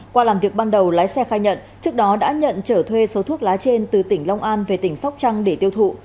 qua làm việc ban đầu lái xe khai nhận trước đó đã nhận trở thuê số thuốc lá trên từ tỉnh long an về tỉnh sóc trăng để tiêu thụ